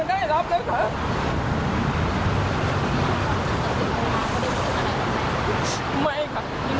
มีความคิดว่าเป็นเป็นแม่ที่ผจญหรือกับแม่ฉัน